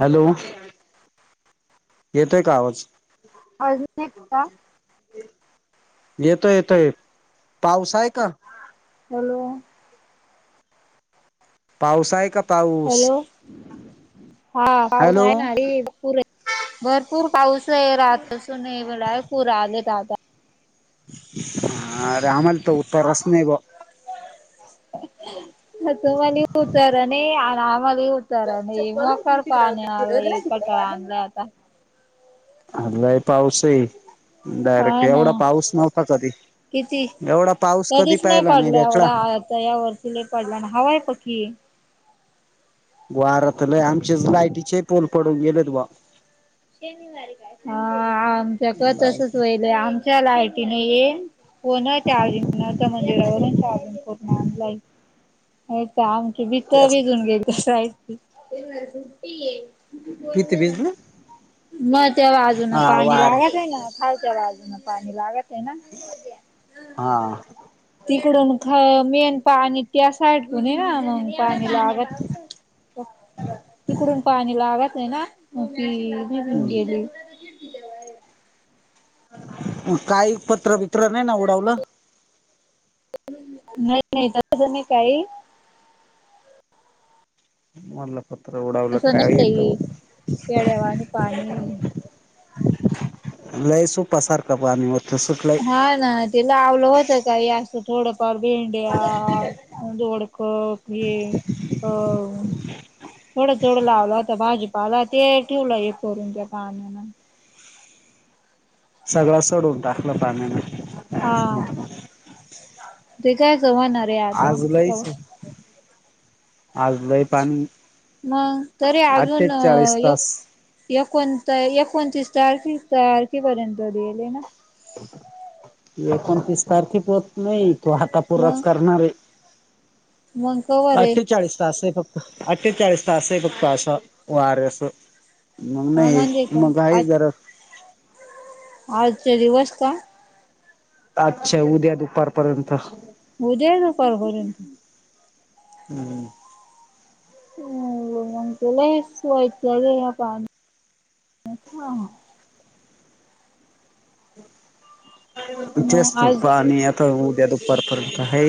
Hello. येतोय का आवाज? आवाज येत नाही का? येतोय -येतोय पाऊस आहे का? हॅलो. पाऊस आहे का? पाऊस हॅलो हा पाऊस हॅलो आहे ना भरपूर भरपूर पाऊस आहे रातपासून आहे डायरेक्ट पूर आलेत आता. हा आम्हाला त उत्तरच नाही बा. तस म्हणी उतारा नाही आम्हाला उ तरा नाही चप्पल मी मोकार तिकडं पाणी गेले आलं कटळा आणला आता. आज लय पाऊस ये. डायरेक्ट हा ना एवढा पाऊस नव्हता कधी किती एवढा पाऊस कधी पहिला नाही भेटला. त यावर्षी लई पडला आण हवा आहे पकी. वारात लई आमचेच लाईटीचे पोल पडून गेलेत बा. हा आमच्याक तसच वईलय आमच्या लाईट नाहीये. फोन चार्जिंग नव्हते मंदिरावरून चार्जिंग करून आणलाय. इथं आमची भीत्त भिजून गेली [unintelligible] बोल किती म्हण. भिजले मग त्या बाजून हा पाणी वार लागत आहे ना. खालच्या बाजून पाणी लागत आहे ना. हा. तिकडून ख मी आण पाणी त्या साईड पण आहे. म पाणी लागत तिकडून पाणी लागत ये ना. मग ती भिजून गेली. मग काही पत्रा बीत्रा नाही ना उडावला? नाही- नाही. तस नाही काही. म्हटलं पत्र उडावलं तसं काय येत नसलंय पेड्यावाणी पाणी लय सुपासारखा पाणी वरत सुटलाय. हा ना ते लावल होत काही असं थोडंफार भेंड्या दोडक हे अ थोडं- थोडं लावलं होता भाजीपाला ते ठेवलं हे करून त्या पाण्यानं. सगळं सडून टाकला पाण्याने. हा. ते कायच होणारे आता? आज लयच आज लई पाणी. मग, तरी अजून अठ्ठेचाळीस तास एक एकूण एकूणतीस तारखी तारखी पर्यंत देईल येना. एकूणतीस तारखे पर्यंत नाही. तो आता मग पूराच करणारे. मग कवर आहे अठ्ठेचाळीस तास आहे फक्त. अठ्ठेचाळीस तास आहे, फक्त असा वाऱ्यासह. मग हा नाही. म्हणजे का मग आहे जर आजच्या दिवस का? आजच्या उद्या दुपारपर्यंत. उद्याही दुपारपर्यंत. हम्म! हो मग तर लईच वाईट पडेल या पाण्यानं. [inaudible] तेच मग त आज पाणी आता उद्या दुपारपर्यंत आहे.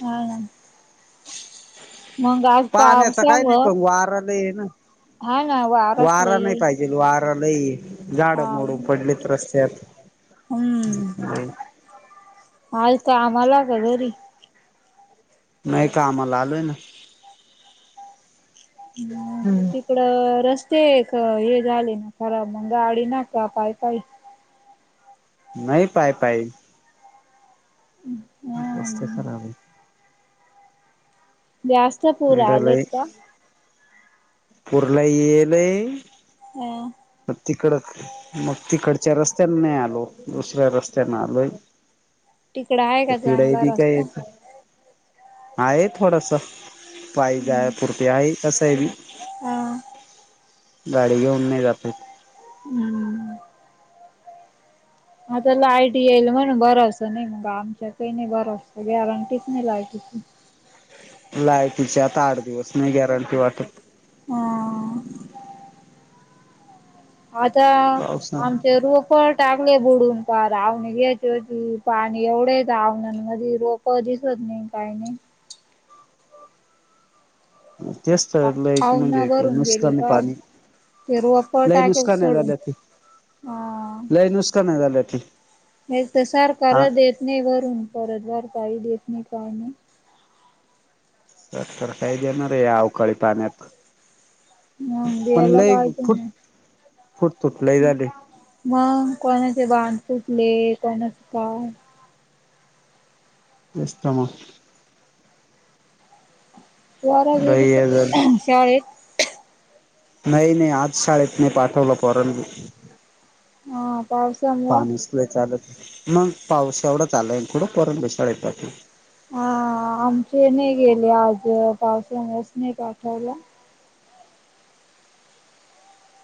हा ना? मग आज पाण्याचा काय नाही पावसामुळ, पण वारा लय आहे ना हा ना वाराच वारा लई नाही ये. पाहिजेल वारा लई ये. झाडं मोडून पडलेत रस्त्यात. आज कामाला का घरी? नाही कामाला आलोय ना. हम ते. इकड रस्ते हे झाले ना खराब. मग गाडीन का पाय पाय. नाही पाय पाई. हम्! रस्ते खराब ये. जास्त पूर आहे इडलय आलेत का? पुर लई येईल ये. हम! म तिकड. मग तिकडच्या रस्त्यान नाही आलो दुसऱ्या रस्त्यान आलोय. तिकड आहे तर का पिढाई चांगला बी काय रस्ता येत. आहे थोडस हम्म पाहिजपुरप आहे तसं आहे बी. हा गाडी घेऊन नाही जातात. हम्म! आता लायटी येईल म्हण बरचसं नाही, मग आमच्याकही नाही बरचत गॅरंटीच नाही लायटी. लाय तिची आता आठ दिवस नाही गॅरंटी वाटत! ह! आता पावसा आमच्या रोपट. टाकले बुडून प आवने घ्यायचे होतीी पाणी एवढेच आवनांमध्येध रोप परधस होत नाही काही नाही. तेच तर लई अहना म्हणजे भरून गेली नुसकान काब. पाणी एर वाप लय टाकेल् नुकसान सोड. झाल्या ती हा लय नुकसान झाल्या ती एक तर हा सारखाच येत. ने वरून परतवार काळी देत नाही काय नाही. तर तर काही देणार या अवकाळी पाण्यात. मग पण द्यायला लय पाहिजे फुट ना. फुटतुट लय झाले. मग कोणाचे बाध सुटले कोणाचे काय? इतम. लय वगिक हे झालं शलेेट. नाही नाही आज शाळेत नाही पाठवलं पॉरनी. ह! पाऊसान. पाणीच लई चालत, मग पाऊस केवढ चाललय [unintelligible] हा आमची ही नाही गेली आज, पावसामुळेच नाही पाठवलं.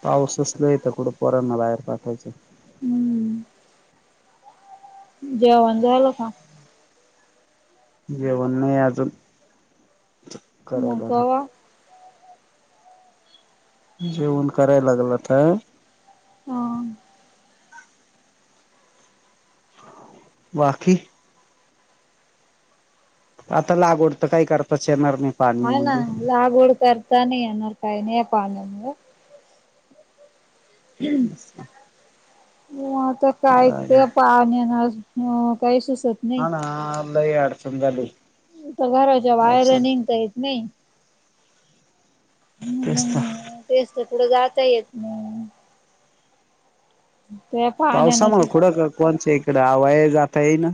पाऊसच लई आहे तर कुड पोरांना बाहेर पाठायचं? हम्म. जेवण झालं का? जेवण नाही अजून. करायला मग लागलं जेवण कराय लागलो आता. ह. बाकी? आता लागवड तर काही करताच शेणार नाही. पाणी होय ना, म्हणजे लागवड करता नाही येणार काही नाही या पाण्यामुळ. म आता [unintelligible] हा काही सुसत हा ना लई अडचण झाली. एक त घराच्या बाहेरह पावसान निघता येत नाही तेच त. मग तेच तर, कुड जाता ही येत नाही. त्या पावसा पाण्यानच मूळ कुड ग कोण चे? तिकड आवाया ही जाता येई ना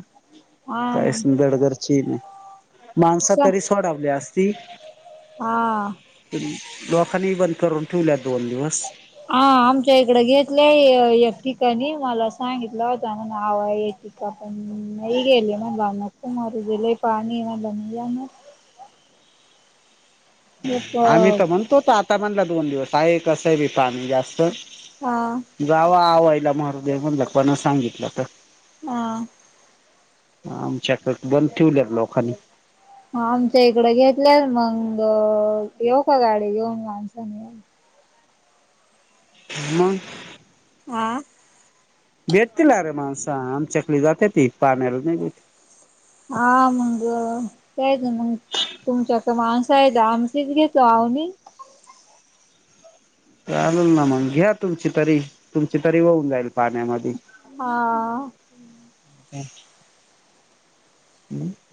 हा काहीस धड घरचीही नाही. माणस ना तरी [unintelligible] हा. लोकांनीही बंद करून ठेवल्या दोन दिवस. हा आमच्या इकडे घेतलंय य एक ठिकाणी मला सांगितलं होत मन आवाय येते का पण नई गेले, म्हणलं नको मरूदे लई पाणी हे म्हणलं नई जाणार. एक आम्ही तर म्हणत होतो आता म्हणल दोन दिवस आहे कसं बी पाणी जास्त. हा. जाव आवायला मरुदे म्हणलं कोण सांगितलं तर. आ. आमच्याकड बंद ठेवल्यात लोकांनी. आमच्या इकड घेतल्यात मंग अ येऊ का गाडी घेऊन माणसांना? मग. आ. भेटतील अरे माणसा, आमच्याकडे जाते ती, पाण्याला नाही भेत हा मंग, कायेच मंग. तुमच्या कड माणसं आहे का? आमचीच घेतो आवनी. चालल ना मग, घ्या तुमची तरी, तुमची तरी होऊन जाईल पाण्यामधी. आ. [unintelligible]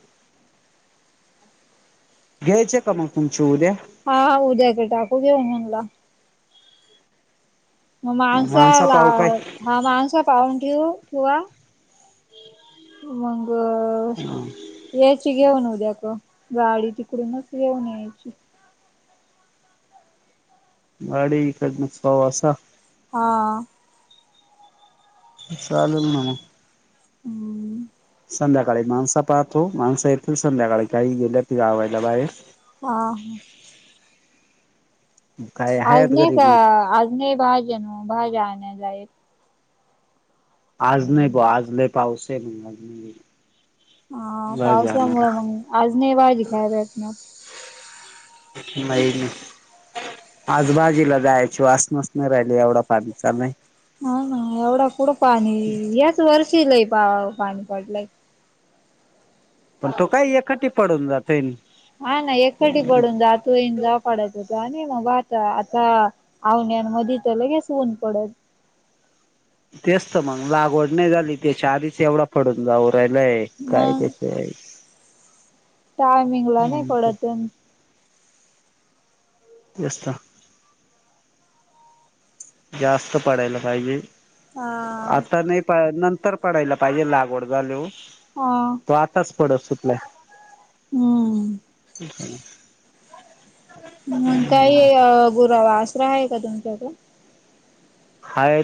घ्यायचे का मग तुमचे उद्या? हा हा उद्याच टाकू घेऊ म्हणला. म माणसा पाव काय लावा हा माणसा पाहून ठेवू किंवा मंग यायची घेऊन उद्या कड, गाडी तिकडूनच घेऊन यायची. अडी इकडंणीसा असा. हा! चाललं ना म! हम्म! संध्याकाळी माणसा पाहतो, माणसा येतील संध्याकाळी काही गेल्यात गावायला बाहेर. हा! काय आज आहेत नाही घरी का मग आज नाही भाज्या भाज्या आणाय जाय. आज नाही बा आज लय पावस आहे, म हा पावसामुळ मग आज न्हाय भाजी इकाय भेटणार? न्हाय! आज भाजीला जायची वास नसणार ते येवडा पाणी चाललाय. हा ना एवढा कुढं पाणी याच वर्षी लही पा पाणी पडलंय. पण तो काही एखाटी पडून जातोय नी. हाय ना एखढी पडून जातोय न जा. पडत होता आणि मग आता आता आवण्यांमध्ये तर लगेच ऊन पडल. तेच तर मग लागवड नाही झाली त्याच्या आधीच, एवढा पडून जाऊ राहिलय काय मग त्याच्या आय टायमिंगला नाही पडत हाय. [unintelligible] जास्त पडायला पाहिजे हा आता नाही पाय नंतर पडायला पाहिजे लागवड झाल्यावं. आ! तो आताच पडत सुटलाय. हम्म! [unintelligible] मग काही गुरं वासरा आहे का? तुमच्याकडं? [unintelligible] काय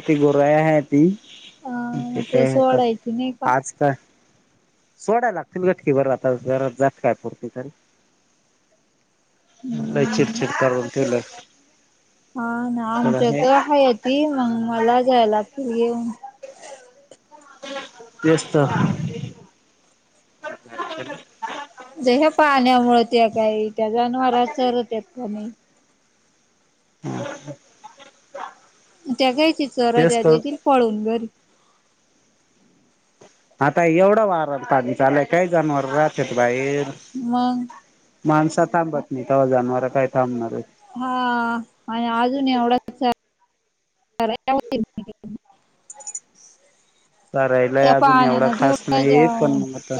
अ मग ते सोडायची नाही का? सोडाय लागती की बर आता जरात जात काय पुरते तर लई चीड हम्म चीड करुन ठेवलं. हा ना तर आमच्याक हे हयती मं गं मला जाय लागतील घेऊन. तेच तर जे ह्या पाण्यामुळं त्या काही त्या जनावरा चरवत्यात का नाही. [unintelligible] त्या घ्यायचीत तेच चराजां तर येतील पळून घरी आता एवढा वारा पाणी चालाय काय जनवर राहतात बाहेर. मग! माणसा थांबत नाही तेव्हा जानवर काय थांबणार हाईत. हा आणि अजून एवढाच [unintelligible] चरायला त्या अजून एवढा पाण्यानं खास ठेवलाय त्या नाही पण म आता.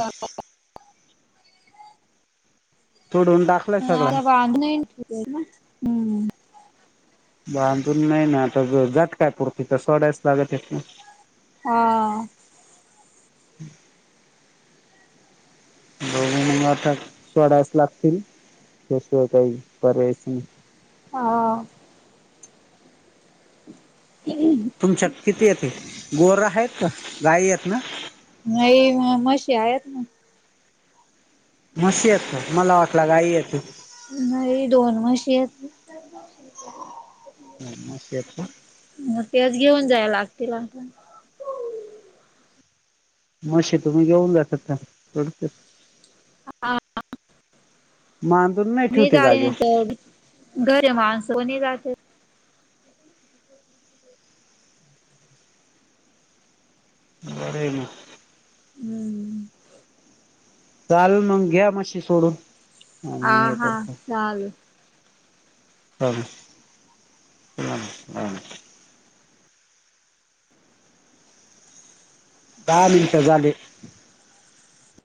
तोडून टाक. हम्म! बांधून नाही ना आता झटकाय पूरती तर सोडायच लागतय ना. हा! [unintelligible] हा हम् तुमच्या किती येते गोरं आहेत गाय आहेत ना? नाही मशी आहेत ना. मशी हायत का मला वाटला गाई हायत. नाही दोन मशी आहेत. ह म शेत [inaudible] मग त्याच घेऊन जाय लागतील आता, मशे तुम्ही घेऊन जातात. हा माह तोून नाही [inaudible] मी जले जागेवर नाही तर घर माणसं कोणी जाते. बरेय. हम्म चालल मग घ्या मशशी सोडून. आणि हे करत- चाललं ह ह हां दहा लिंक झाले.